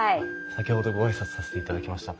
先ほどご挨拶させていただきました。